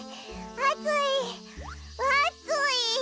あついあつい。